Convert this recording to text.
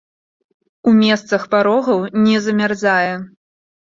У месцах парогаў не замярзае.